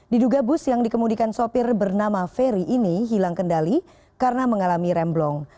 diduga bus yang dikemudikan sopir bernama ferry ini hilang kendali karena mengalami remblong